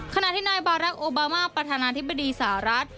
ขณะที่นายบารักษ์โอบามาประธานาธิบดีสหรัฐ